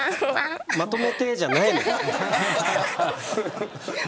まとめて、じゃないのよ。